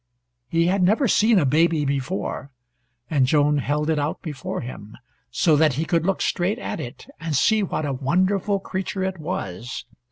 He had never seen a baby before, and Joan held it out before him, so that he could look straight at it and see what a wonderful creature it was.